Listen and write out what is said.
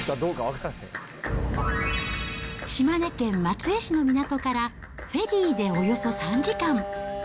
島根県松江市の港からフェリーでおよそ３時間。